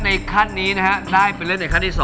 เงินวันนี้นะครับได้เป็นเรื่องในขั้นที่๒